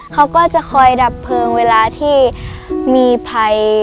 เขาก็จะคอยดับเพลิงเวลาที่มีภัย